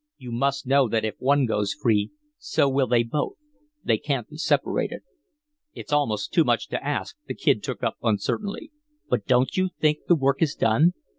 You must know that if one goes free so will they both; they can't be separated." "It's almost too much to ask," the Kid took up, uncertainly. "But don't you think the work is done?